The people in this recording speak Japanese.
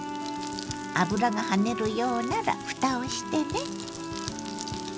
油が跳ねるようならふたをしてね。